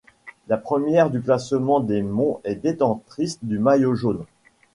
La première du classement des monts est détentrice du maillot jaune.